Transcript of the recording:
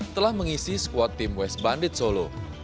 telah mengisi squad tim west bandit solo